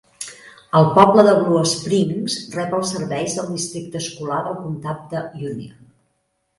El poble de Blue Springs rep els serveis del districte escolar del comtat de Union.